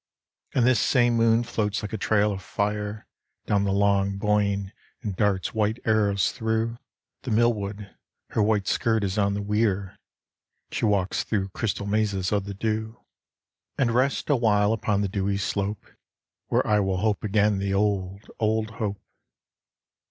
And this same moon floats like a trail of fire Down the long Boyne, and darts white arrows thro' The mill wood; her white skirt is on the weir, She walks thro' crystal mazes of the dew, 63 64 IN MANCHESTER And rests awhile upon the dewy slope Where I will hope again the old, old hope.